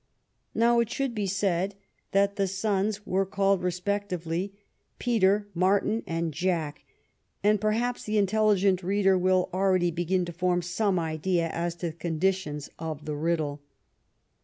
Now it should be said that the sons were called, respectively, Peter, Martin, and Jack, and perhaps the intelligent reader will already begin to form some idea as to the conditions of the riddle.